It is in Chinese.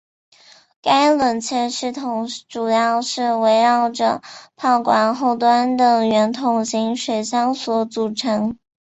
该冷却系统主要是围绕着炮管后端的圆筒形水箱所组成。